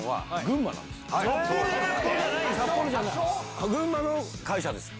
群馬の会社です。